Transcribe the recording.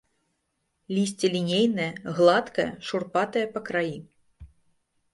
Лісце лінейнае, гладкае, шурпатае па краі.